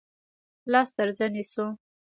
لاس تر زنې شو.